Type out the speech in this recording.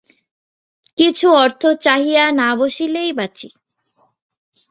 কিছু অর্থ চাহিয়া না বসিলে বাঁচি।